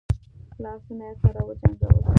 لاسونه يې سره وجنګول.